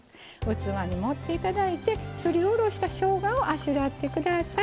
器に盛って頂いてすりおろしたしょうがをあしらって下さい。